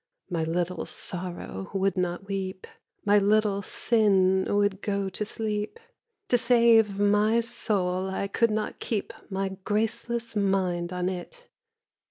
My Little Sorrow would not weep, My Little Sin would go to sleep— To save my soul I could not keep My graceless mind on it!